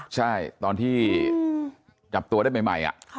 ใช่ตอนที่จับตัวได้ใหม่